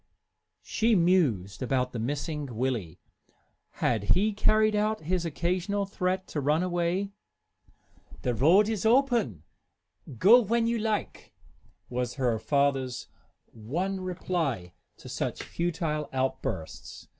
She mused about the missing Willie. Had he carried out his occasional threat to run away? "The road is open, go when you like," was her father's one reply to such futile outbursts.